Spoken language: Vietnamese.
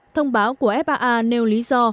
thông báo của faa nêu lý do